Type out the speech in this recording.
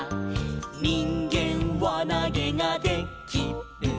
「にんげんわなげがで・き・る」